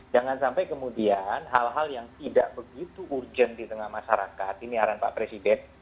jangan sampai kemudian hal hal yang tidak begitu urgent di tengah masyarakat ini arahan pak presiden